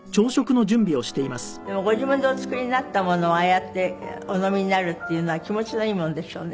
でもご自分でお作りになったものをああやってお飲みになるっていうのは気持ちのいいものでしょうね。